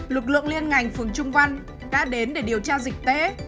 lực lượng liên ngành phường trung văn đã đến để điều tra dịch tễ